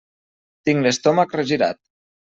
Tinc l'estómac regirat.